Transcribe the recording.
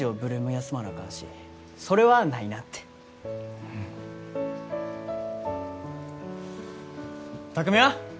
休まなあかんしそれはないなってうん巧は？